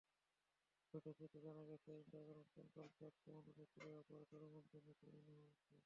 বৈঠকসূত্রে জানা গেছে, inter-connection call charge কমানোর ক্ষেত্রে অপারেটরদের মধ্যে মিশ্র মনোভাব আছে।